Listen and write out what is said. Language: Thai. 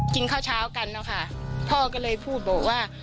กินข้าวเช้ากันนะคะพ่อก็เลยพูดบอกว่า